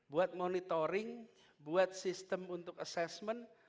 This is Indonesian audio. buat monitoring buat sistem untuk assessment